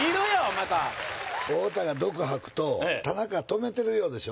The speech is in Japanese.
また太田が毒吐くと田中止めてるようでしょ？